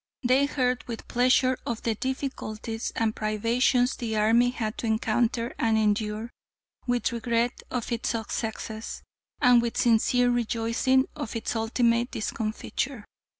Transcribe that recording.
They heard with pleasure of the difficulties and privations the army had to encounter and endure, with regret of its successes, and with sincere rejoicing of its ultimate discomfiture.